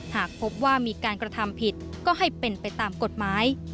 หากพบว่ามีการกระทำผิดก็ให้เป็นไปตามกฎหมาย